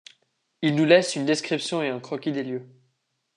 Il nous laisse une description et un croquis des lieux.